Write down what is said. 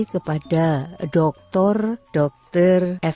kepada dokter dokter f x